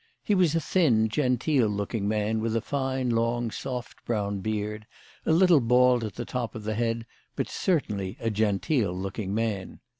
He was a thin, genteel looking man, with a fine long, soft brown beard, a little bald at the top of the head, but certainly a genteel looking man.